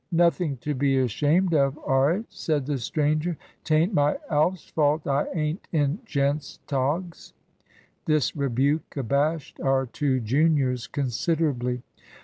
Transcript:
"Nothing to be ashamed of, are it?" said the stranger. "'Tain't my Alf's fault I ain't in gents' togs." This rebuke abashed our two juniors considerably.